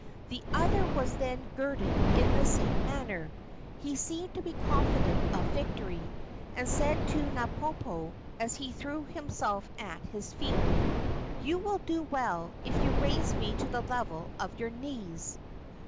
The other was then girded in the same manner. He seemed to be confident of victory, and said to Napopo, as he threw himself at his feet: "You will do well if you raise me to the level of your knees."